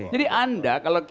jadi anda kalau